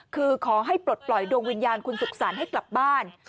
คือขอให้ปลดปล่อยดวงวิญญาณคุณสุขสรรค์ให้กลับบ้าน